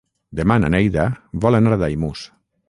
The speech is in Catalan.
Demà na Neida vol anar a Daimús.